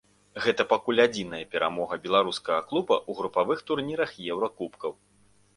Гэта пакуль адзіная перамога беларускага клуба ў групавых турнірах еўракубкаў.